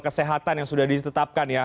kesehatan yang sudah ditetapkan